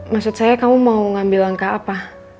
maksud saya kamu mau ngambil langkah apa